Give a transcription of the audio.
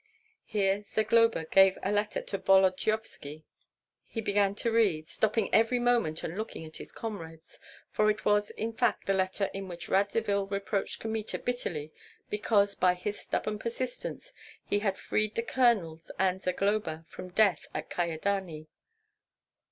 Here Zagloba gave a letter to Volodyovski. He began to read, stopping every moment and looking at his comrades; for it was in fact the letter in which Radzivill reproached Kmita bitterly because by his stubborn persistence he had freed the colonels and Zagloba from death at Kyedani.